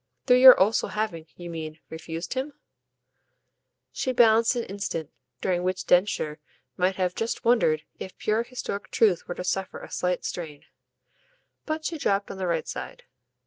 "Through your also having, you mean, refused him?" She balanced an instant during which Densher might have just wondered if pure historic truth were to suffer a slight strain. But she dropped on the right side.